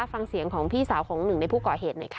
ฟังเสียงของพี่สาวของหนึ่งในผู้ก่อเหตุหน่อยค่ะ